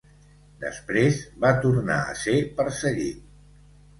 Després va tornar a ser perseguit.